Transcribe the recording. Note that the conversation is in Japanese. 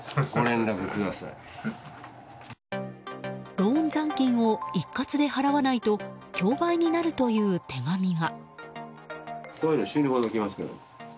ローン残金を一括で払わないと競売になるという手紙が。